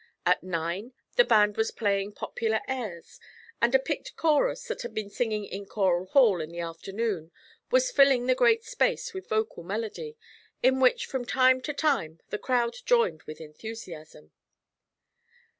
At nine the band was playing popular airs, and a picked chorus that had been singing in Choral Hall in the afternoon was filling the great space with vocal melody, in which from time to time the crowd joined with enthusiasm.